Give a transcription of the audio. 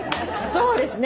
そうですね。